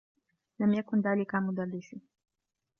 لم يكن ذاك مدرّسي.